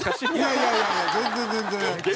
いやいやいやいや全然全然！